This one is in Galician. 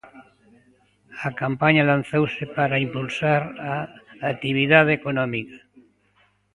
A campaña lanzouse para impulsar a actividade económica.